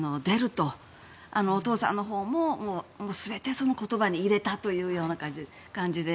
そしてお父さんのほうも全て、その言葉に入れたという感じで。